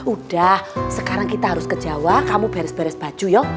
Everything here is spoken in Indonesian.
udah sekarang kita harus ke jawa kamu beres beres baju ya